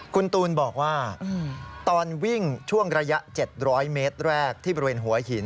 คุณตูนบอกว่าตอนวิ่งช่วงระยะ๗๐๐เมตรแรกที่บริเวณหัวหิน